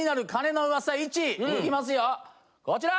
行きますよこちら！